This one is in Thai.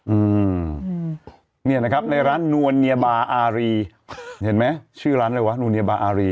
อืมเนี่ยนะครับในร้านนวลเนียบาอารีเห็นไหมชื่อร้านอะไรวะนวเนียบาอารี